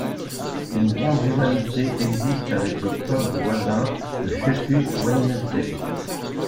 Une grande rivalité existe avec le club voisin de Sheffield Wednesday.